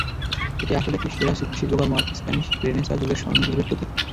এটি আসলেই একটি সেরা শিল্পকর্ম আর স্প্যানিশ রেনেসাঁ যুগের স্বর্ণ শিল্পের প্রতীক।